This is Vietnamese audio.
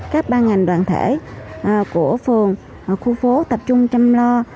các ban ngành đoàn thể của phường khu phố tập trung chăm lo